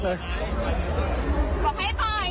ทำดีครับไม่ทำผู้หญิงแล้ว